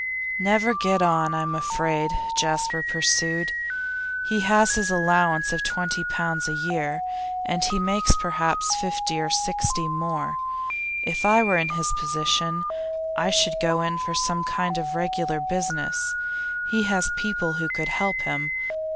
'Never get on, I'm afraid,' Jasper pursued. 'He has his allowance of twenty pounds a year, and makes perhaps fifty or sixty more. If I were in his position, I should go in for some kind of regular business; he has people who could help him.